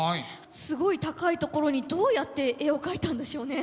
すごい高い所にどうやって絵を描いたんでしょうね？